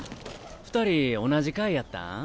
二人同じ階やったん？